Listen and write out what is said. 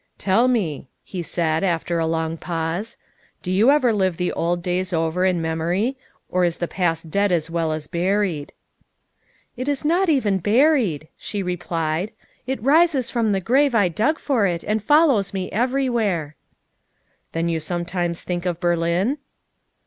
" Tell me," he said after a long pause, " do you ever live the old days over in memory, or is the past dead as well as buried?" " It is not even buried," she replied, " it rises from the grave I dug for it and follows me everywhere." " Then you sometimes think of Berlin?"